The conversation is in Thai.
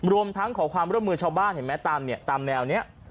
รวมทั้งขอความร่วมมือชาวบ้านเห็นไหมตามแนวนี้